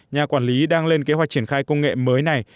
nhà quản lý đang lên kế hoạch triển khai công nghệ mới này